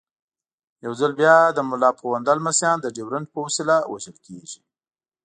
یو ځل بیا د ملا پوونده لمسیان د ډیورنډ په وسیله وژل کېږي.